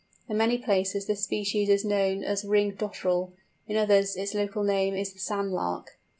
In many places this species is known as the "Ring Dotterel"; in others its local name is the "Sand Lark."